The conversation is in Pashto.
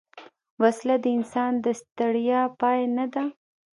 وسله د انسان د ستړیا پای نه ده